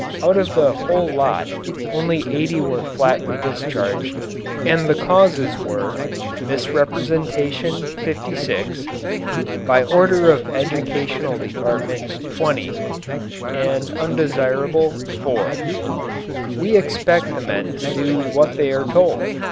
Out of the whole lot only 80 were flatly discharged and the causes were: Misrepresentation, 56; by order of Educational Department, 20; and undesirable, 4. We expect the men to do what they are told.